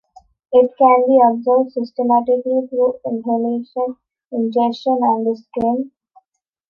It can be absorbed systemically through inhalation, ingestion, and the skin.